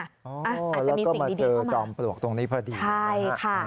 อาจจะมีสิ่งดีเข้ามาใช่ค่ะแล้วก็มาเจอจองปลวกตรงนี้พอดี